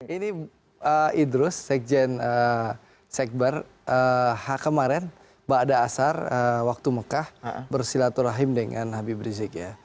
ini idrus sekjen sekber kemarin mbak ada asar waktu mekah bersilaturahim dengan habib rizik ya